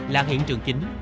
là hiện trường chính